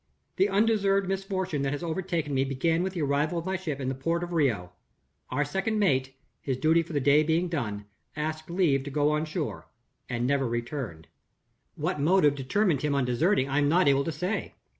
"The undeserved misfortune that has overtaken me began with the arrival of my ship in the port of Rio. Our second mate (his duty for the day being done) asked leave to go on shore and never returned. What motive determined him on deserting, I am not able to say.